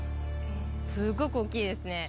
すごく大きいですね